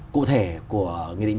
cụ thể của nghị định một trăm sáu mươi ba